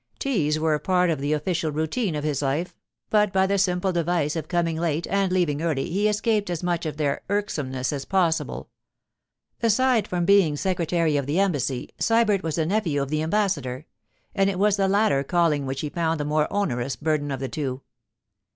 Teas were a part of the official routine of his life, but by the simple device of coming late and leaving early he escaped as much of their irksomeness as possible. Aside from being secretary of the Embassy, Sybert was a nephew of the ambassador, and it was the latter calling which he found the more onerous burden of the two.